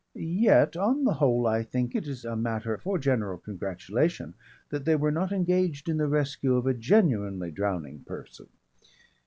Yet on the whole I think it is a matter for general congratulation that they were not engaged in the rescue of a genuinely drowning person.